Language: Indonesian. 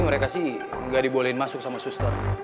mereka sih nggak dibolehin masuk sama suster